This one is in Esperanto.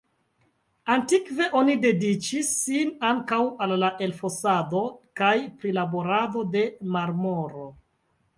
Antikve oni dediĉis sin ankaŭ al la elfosado kaj prilaborado de marmoro.